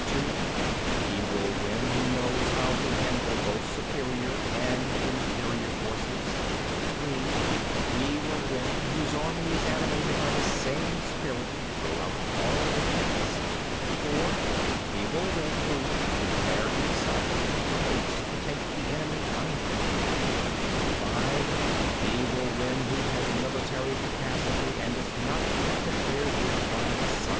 (2) He will win who knows how to handle both superior and inferior forces. (3) He will win whose army is animated by the same spirit throughout all its ranks. (4) He will win who, prepared himself, waits to take the enemy unprepared. (5) He will win who has military capacity and is not interfered with by the sovereign.